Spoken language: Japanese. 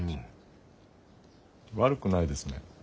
悪くないですね。